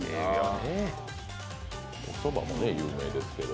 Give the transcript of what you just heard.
おそばも有名ですけど。